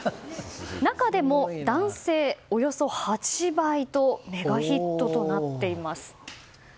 中でも男性、およそ８倍とメガヒットとなっています。